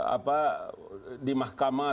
apa di mahkamah